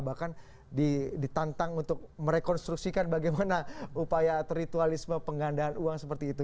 bahkan ditantang untuk merekonstruksikan bagaimana upaya ritualisme penggandaan uang seperti itu